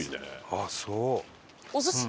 ああそう。